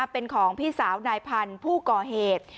เป็นของพี่สาวนายพันธุ์ผู้ก่อเหตุ